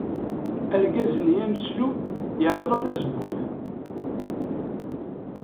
Argaz-nni ameslub yerẓa tazewwut.